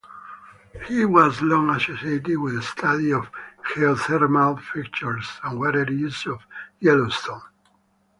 He was long associated with study of geothermal features and water issues of Yellowstone.